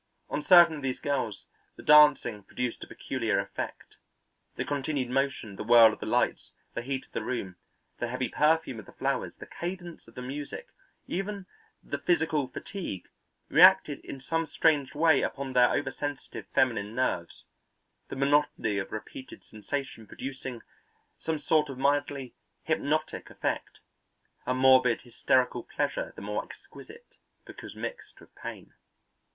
On certain of these girls the dancing produced a peculiar effect. The continued motion, the whirl of the lights, the heat of the room, the heavy perfume of the flowers, the cadence of the music, even the physical fatigue, reacted in some strange way upon their oversensitive feminine nerves, the monotony of repeated sensation producing some sort of mildly hypnotic effect, a morbid hysterical pleasure the more exquisite because mixed with pain.